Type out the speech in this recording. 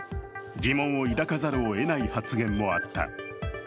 疑問を抱かざるをえない発言もあった。